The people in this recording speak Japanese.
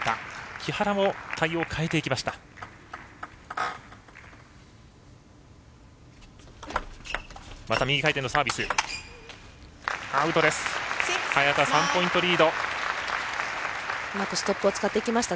木原も対応を変えていきました。